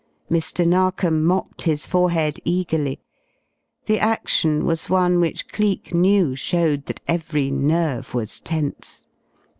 Mr. Narkom mopped his forehead eagerly. The action was one which Cleek knew showed that every nerve was tense.